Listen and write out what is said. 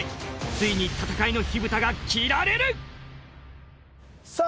ついに戦いの火蓋が切られるさあ